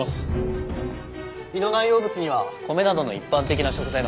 胃の内容物には米などの一般的な食材の他